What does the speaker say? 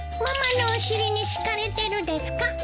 ママのお尻に敷かれてるですか？